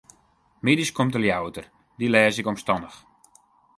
Middeis komt de Ljouwerter, dy lês ik omstannich.